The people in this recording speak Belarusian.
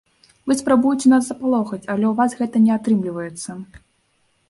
Вы спрабуеце нас запалохаць, але ў вас гэта не атрымліваецца.